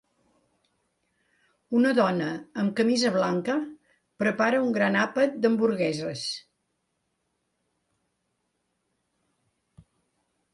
Una dona amb camisa blanca prepara un gran àpat d'hamburgueses.